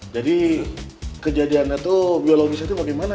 jadi kejadian biologis itu bagaimana